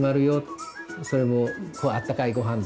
それも「あったかいごはんだよ」とか。